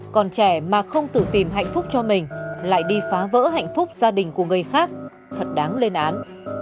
còn trẻ mà không tự tìm hạnh phúc cho mình lại đi phá vỡ hạnh phúc gia đình của người khác thật đáng lên án